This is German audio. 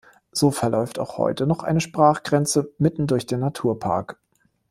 So verläuft auch heute noch eine Sprachgrenze mitten durch den Naturpark.